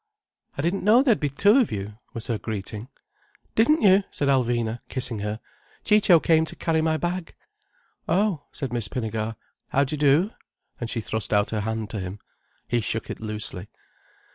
"I didn't know there'd be two of you," was her greeting. "Didn't you," said Alvina, kissing her. "Ciccio came to carry my bag." "Oh," said Miss Pinnegar. "How do you do?" and she thrust out her hand to him. He shook it loosely.